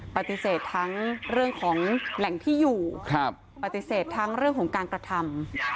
ปฏิเสธทั้งเรื่องของแหล่งที่อยู่ปฏิเสธทั้งเรื่องของการกระทำ